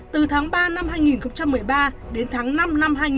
từ tháng ba năm hai nghìn một mươi ba đến tháng năm năm hai nghìn hai mươi hai